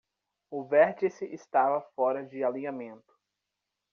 O vértice estava fora de alinhamento.